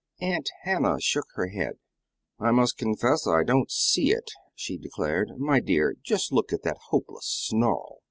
Aunt Hannah shook her head. "I must confess I don't see it," she declared. "My dear, just look at that hopeless snarl!"